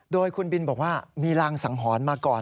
โดยคุณบินบอกว่ามีรางสังหรณ์มาก่อน